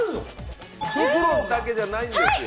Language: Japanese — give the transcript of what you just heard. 袋だけじゃないんですよ。